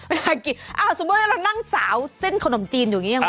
เวลากินอ่าสมมุติเรากำลังนั่งสาวเส้นขนมจีนอยู่อย่างนี้